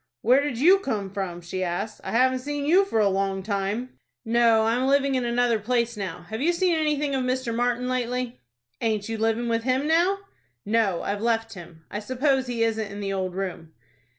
"Where did you come from?" she asked. "I haven't seen you for a long time." "No, I'm living in another place now. Have you seen anything of Mr. Martin, lately?" "Aint you living with him now?" "No, I've left him. I suppose he isn't in the old room."